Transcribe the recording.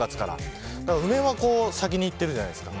梅は先に行っているじゃないですか。